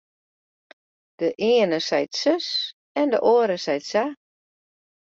De iene seit sus en de oare seit sa.